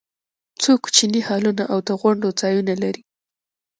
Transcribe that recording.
څو کوچني هالونه او د غونډو ځایونه لري.